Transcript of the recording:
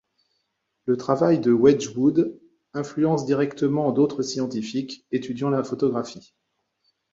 Le travail de Wedgwood influence directement d’autres scientifiques étudiant la photographie.